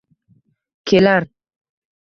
Kelar